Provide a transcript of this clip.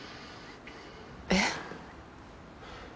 えっ？